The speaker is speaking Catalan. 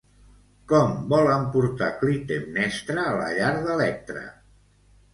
Com volen portar Clitemnestra a la llar d'Electra?